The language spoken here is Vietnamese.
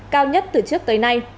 cao nhất từ trước tới nay